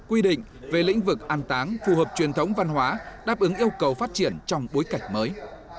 quy định về lĩnh vực an táng phù hợp truyền thống văn hóa đáp ứng yêu cầu phát triển trong bối cảnh mới